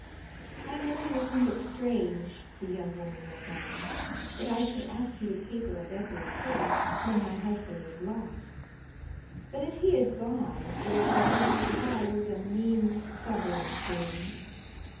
"I know you'll think it strange," the young woman went on, "that I should ask you to paper a bedroom first, when my husband is lost; but if he is gone it is because I was a mean, stubborn thing.